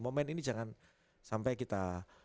momen ini jangan sampai kita